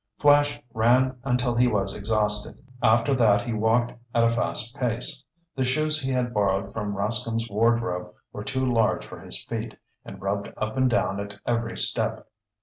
Flash ran until he was exhausted. After that he walked at a fast pace. The shoes he had borrowed from Rascomb's wardrobe were too large for his feet, and rubbed up and down at every step.